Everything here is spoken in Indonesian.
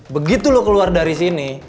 begitu lo keluar dari sini